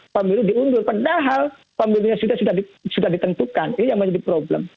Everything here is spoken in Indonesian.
pemilu diundur padahal pemilunya sudah ditentukan ini yang menjadi problem